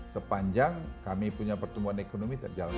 sepanjang kami punya pertumbuhan ekonomi terjalankan